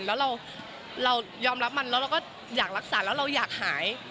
แล้วเรายอมรับมันแล้วเราก็อยากรักษาแล้วเราอยากหาย